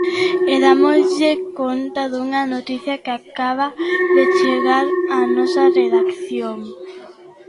E dámoslle conta dunha noticia que acaba de chegar á nosa redacción.